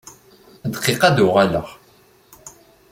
Dqiqa ad d-uɣaleɣ.